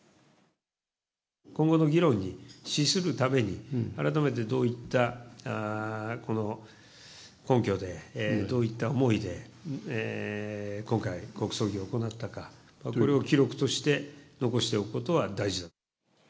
今後の議論に資するために、改めてどういった根拠で、どういった思いで、今回、国葬儀を行ったか、これを記録として残しておくことは大事だと。